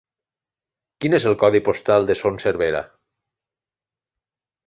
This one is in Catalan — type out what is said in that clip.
Quin és el codi postal de Son Servera?